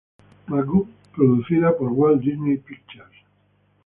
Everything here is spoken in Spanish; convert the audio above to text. Magoo, producida por Walt Disney Pictures.